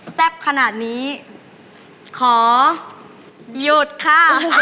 แซ่บขนาดนี้ขอหยุดค่ะ